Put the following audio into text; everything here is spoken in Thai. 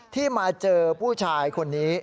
ที่มาเจอผู้ชายคนนี้